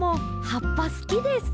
はっぱすきです。